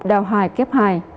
đào hài kép hai